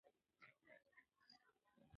موټر چلونکی خپل موټر د سهار په وخت کې پاکوي.